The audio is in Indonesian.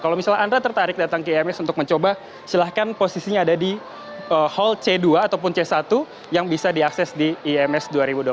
kalau misalnya anda tertarik datang ke ims untuk mencoba silahkan posisinya ada di hall c dua ataupun c satu yang bisa diakses di ims dua ribu dua puluh tiga